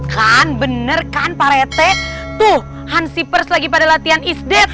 kan bener kan parete tuh hansi pers lagi pada latihan isdet